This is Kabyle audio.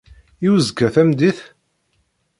I uzekka tameddit?